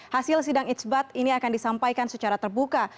hasil sidang isbat ini akan disampaikan secara terbuka